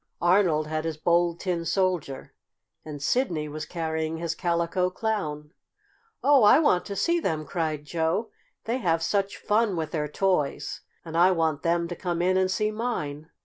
"Arnold had his Bold Tin Soldier, and Sidney was carrying his Calico Clown." "Oh, I want to see them!" cried Joe. "They have such fun with their toys, and I want them to come in and see mine."